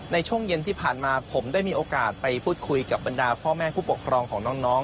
ในช่วงเย็นที่ผ่านมาผมได้มีโอกาสไปพูดคุยกับบรรดาพ่อแม่ผู้ปกครองของน้อง